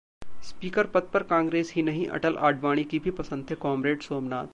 speaker पद पर कांग्रेस ही नहीं, अटल-आडवाणी की भी पसंद थे कॉमरेड सोमनाथ